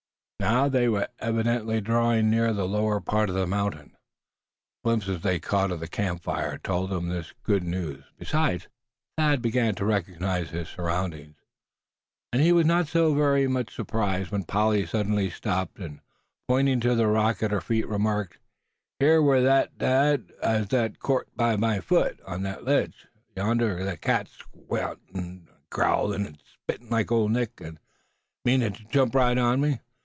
Now they were evidently drawing nearer the lower part of the mountain. Glimpses they caught of the camp fire told them this good news. Besides, Thad really began to recognize his surroundings. And he was not so very much surprised when Polly suddenly stopped and pointing to the rock at her feet, remarked: "Hit war right thar, dad, as I got cort by ther foot; an' on thet ledge yonder ther cat squatted, agrowlin' and spittin' like the Ole Nick, and meanin' tuh jump right on me.